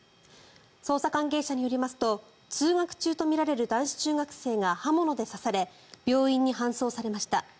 捜査関係者によりますと通学中とみられる男子中学生が刃物で刺され病院に搬送されました。